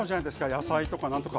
野菜とかなんとか。